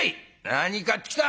「何買ってきた？」。